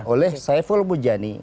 oleh saiful bujani